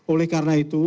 oleh karena itu